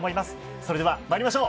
それでは、参りましょう。